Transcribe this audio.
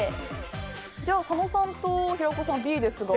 じゃあ佐野さんと平子さんＢですが。